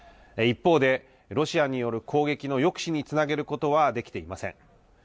一方で、ロシアによる攻撃の抑止につなげることはできていません。